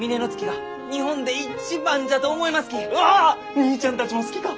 にいちゃんたちも好きか？